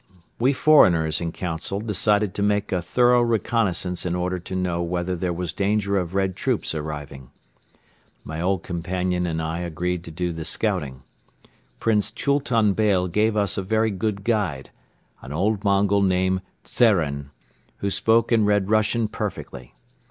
We foreigners in council decided to make a thorough reconnaissance in order to know whether there was danger of Red troops arriving. My old companion and I agreed to do this scouting. Prince Chultun Beyle gave us a very good guide an old Mongol named Tzeren, who spoke and read Russian perfectly.